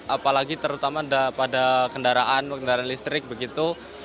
apalagi terutama pada kendaraan kendaraan listrik begitu